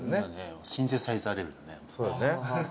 シンセサイザーレベルだね。